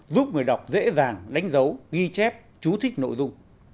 giúp người đọc dễ dàng đánh dấu ghi chép chú thích nội dung